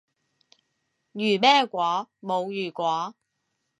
如咩果？冇如果